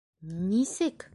Н-нисек?!